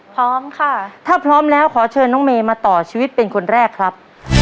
พร้อมค่ะถ้าพร้อมแล้วขอเชิญน้องเมย์มาต่อชีวิตเป็นคนแรกครับ